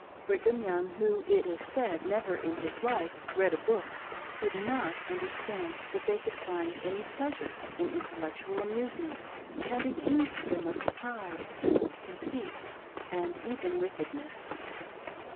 Brigham Young, who it is said, never in his life read a book, could not understand that they could find any pleasure in intellectual amusements, and ac cused them of pride, conceit, and even wickedness.